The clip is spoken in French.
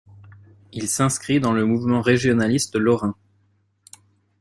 Il s'inscrit dans le mouvement régionaliste lorrain.